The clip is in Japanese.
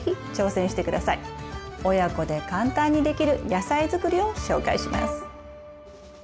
親子で簡単にできる野菜づくりを紹介します。